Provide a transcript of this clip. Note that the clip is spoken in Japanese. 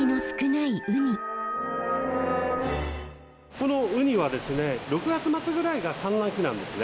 このウニはですね６月末ぐらいが産卵期なんですね。